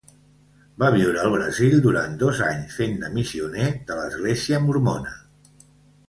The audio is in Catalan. Va viure al Brasil durant dos anys fent de missioner de l'església mormona.